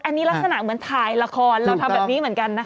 อันนี้ลักษณะเหมือนถ่ายละครเราทำแบบนี้เหมือนกันนะคะ